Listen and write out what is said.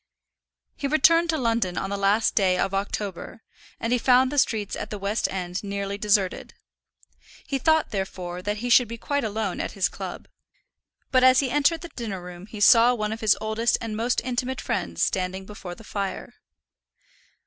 He returned to London on the last day of October, and he found the streets at the West End nearly deserted. He thought, therefore, that he should be quite alone at his club, but as he entered the dinner room he saw one of his oldest and most intimate friends standing before the fire.